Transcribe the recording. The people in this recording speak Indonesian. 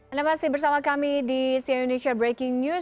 anda masih bersama kami di si indonesia breaking news